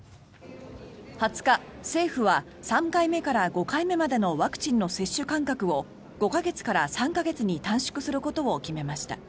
２０日、政府は３回目から５回目までのワクチンの接種間隔を５か月から３か月に短縮することを決めました。